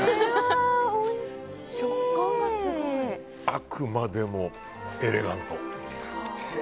あくまでもエレガント！